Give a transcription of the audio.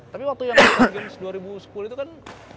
tapi waktu yang di games dua ribu sepuluh itu kan